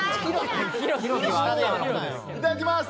いただきます。